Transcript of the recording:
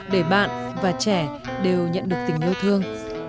để bạn và trẻ đều nhận được tình yêu thương